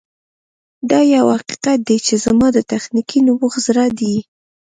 دا یو حقیقت دی چې زما د تخنیکي نبوغ زړه دی